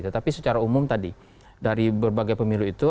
tetapi secara umum tadi dari berbagai pemilu itu